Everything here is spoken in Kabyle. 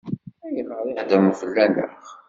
Ayɣer i heddṛen fell-aneɣ?